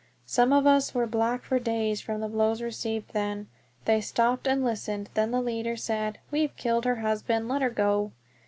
Some of us were black for days from the blows received then. They stopped and listened, then the leader said, "We've killed her husband, let her go."